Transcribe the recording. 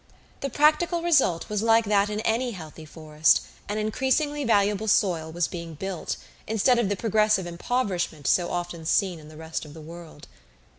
The practical result was like that in any healthy forest; an increasingly valuable soil was being built, instead of the progressive impoverishment so often seen in the rest of the world.